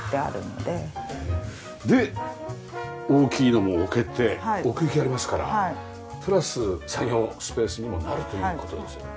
で大きいのも置けて奥行きありますからプラス作業スペースにもなるという事ですよ。